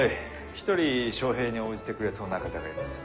一人招へいに応じてくれそうな方がいます。